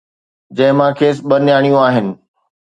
جنهن مان کيس ٻه نياڻيون آهن.